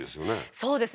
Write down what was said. そうですね